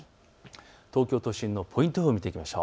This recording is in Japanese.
東京都心のポイント予報を見ていきましょう。